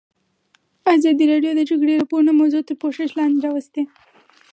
ازادي راډیو د د جګړې راپورونه موضوع تر پوښښ لاندې راوستې.